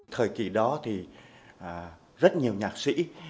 thời kỳ đó thì rất nhiều nhạc sĩ